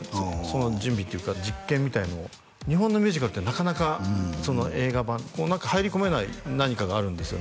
その準備っていうか実験みたいなのを日本のミュージカルってなかなか映画版こう何か入り込めない何かがあるんですよね